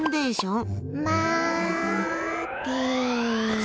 まて。